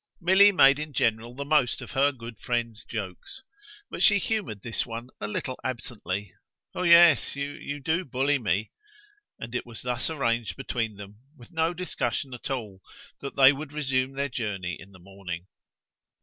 Milly made in general the most of her good friend's jokes; but she humoured this one a little absently. "Oh yes, you do bully me." And it was thus arranged between them, with no discussion at all, that they would resume their journey in the morning.